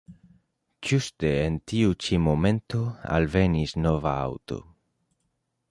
Ĝuste en tiu ĉi momento alvenis nova aŭto.